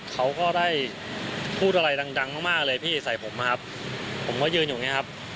เขาก็ได้พูดอะไรดังดังมากมากเลยพี่ใส่ผมนะครับผมก็ยืนอยู่อย่างเงี้ครับ